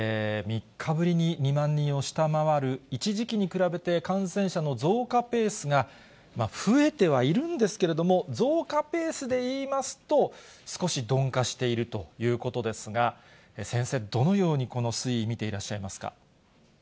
３日ぶりに２万人を下回る、一時期に比べて、感染者の増加ペースが増えてはいるんですけれども、増加ペースでいいますと、少し鈍化しているということですが、先生、どのようにこの推移、見ていらっしゃいますか。